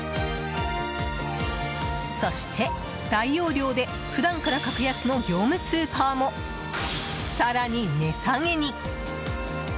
そして大容量で普段から格安の業務スーパーも更に値下げに！